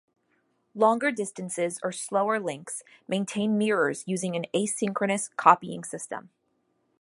Longer distances or slower links maintain mirrors using an asynchronous copying system.